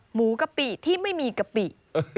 หมูกะปิที่ไม่มีกะปิ